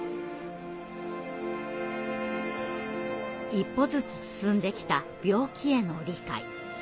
一歩ずつ進んできた病気への理解。